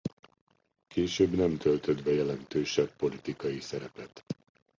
Később nem töltött be jelentősebb politikai szerepet.